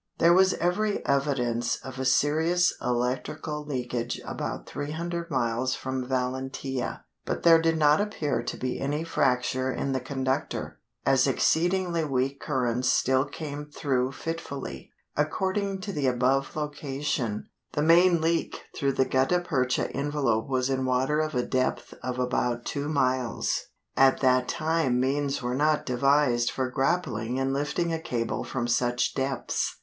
There was every evidence of a serious electrical leakage about 300 miles from Valentia, but there did not appear to be any fracture in the conductor, as exceedingly weak currents still came through fitfully. According to the above location, the main leak through the gutta percha envelope was in water of a depth of about two miles. At that time means were not devised for grappling and lifting a cable from such depths.